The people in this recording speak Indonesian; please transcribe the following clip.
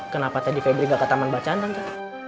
kenapa tadi febri gak ke taman bacaan tante